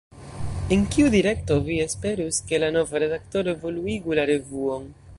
En kiu direkto vi esperus, ke la nova redaktoro evoluigu la revuon?